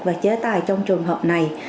và chế tài trong trường hợp này